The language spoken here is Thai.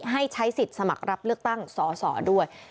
ให้ใช้สิทธิ์สมัครรับเลือกตั้งสอสอด้วย